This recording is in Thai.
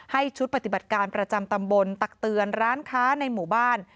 ชุดปฏิบัติการประจำตำบลตักเตือนร้านค้าในหมู่บ้าน